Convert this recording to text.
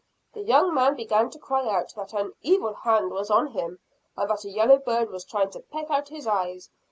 The young man began to cry out that an 'evil hand' was on him, and that a yellow bird was trying to peck out his eyes.